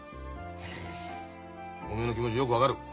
おめえの気持ちよく分かる。